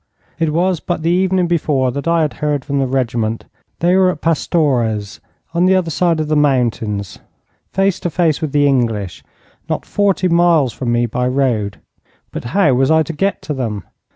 It was but the evening before that I had heard from the regiment. They were at Pastores, on the other side of the mountains, face to face with the English not forty miles from me by road. But how was I to get to them?